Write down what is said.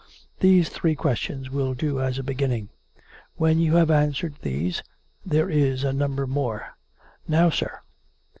" These three questions will do as a beginning. When you have answered these, there is a number more. Now, sir."